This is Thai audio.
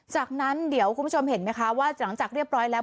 จากนั้นเดี๋ยวคุณผู้ชมเห็นไหมคะว่าหลังจากเรียบร้อยแล้ว